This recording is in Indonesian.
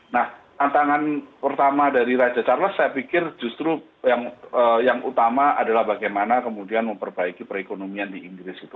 nah tantangan pertama dari raja charles saya pikir justru yang utama adalah bagaimana kemudian memperbaiki perekonomian di inggris itu